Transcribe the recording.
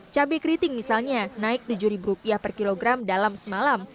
cabai keriting misalnya naik rp tujuh per kilogram dalam semalam